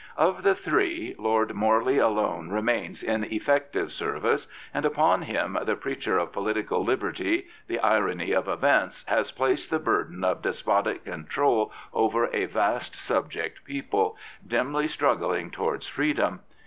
Of the three. Lord Morley alone remains in effective service, and upon him, the preacher of political liberty, the irony of events has placed the burden of despotic control over a vast subject people, dimly struggling towards freedom.